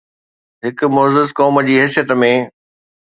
هڪ معزز قوم جي حيثيت ۾